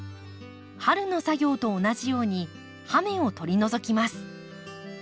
春の作業と同じように葉芽を取り除きます。